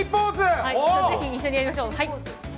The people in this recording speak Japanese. ぜひ一緒にやりましょう。